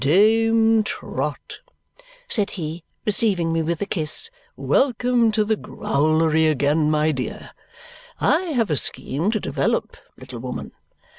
"Dame Trot," said he, receiving me with a kiss, "welcome to the growlery again, my dear. I have a scheme to develop, little woman.